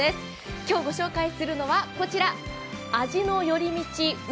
今日ご紹介するのはこちら、味のより道う